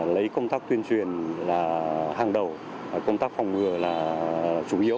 lấy công tác tuyên truyền là hàng đầu công tác phòng ngừa là chủ yếu